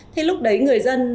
thế lúc đấy người dân